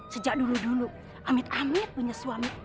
sejak dulu dulu amit amit punya suami